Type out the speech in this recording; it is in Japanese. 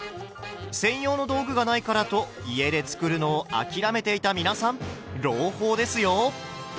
専用の道具がないからと家で作るのを諦めていた皆さん朗報ですよ！